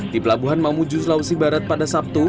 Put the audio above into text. di pelabuhan mamuju sulawesi barat pada sabtu